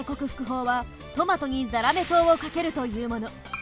ほうはトマトにザラメ糖をかけるというもの。